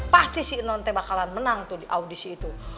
pasti si enonte bakalan menang tuh di audisi itu